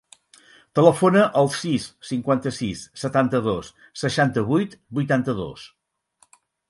Telefona al sis, cinquanta-sis, setanta-dos, seixanta-vuit, vuitanta-dos.